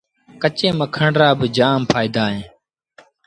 ڪچي مکڻ رآ با جآم ڦآئيدآ اوهيݩ